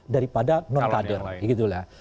daripada non kader gitu lah